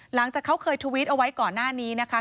หลังจากเขาเคยทวิตเอาไว้ก่อนหน้านี้นะคะ